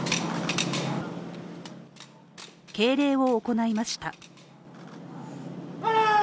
敬礼を行いました。